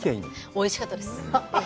おいしかったです。